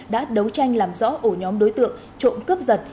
đã đấu tranh làm rõ ổ nhóm đối tượng trộm cướp giật